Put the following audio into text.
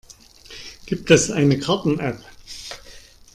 Gibt es eine Karten-App?